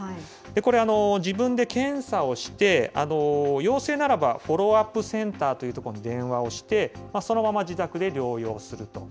これ、自分で検査をして、陽性ならばフォローアップセンターというところに電話をして、そのまま自宅で療養すると。